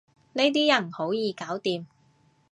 呢啲人好易搞掂